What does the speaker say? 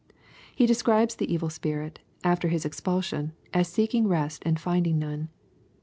He describes the evil spirit, after his expulsion, as seeking rest and finding none.